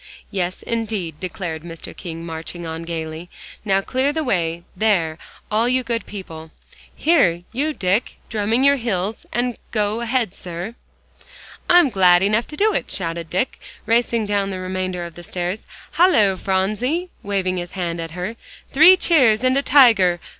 "Yes, indeed," declared Mr. King, marching on gaily. "Now clear the way there, all you good people. Here, you Dick, drumming your heels, go ahead, sir." "I'm glad enough to," shouted Dick, racing down the remainder of the stairs. "Halloo, Phronsie," waving his hand at her, "three cheers and a tiger!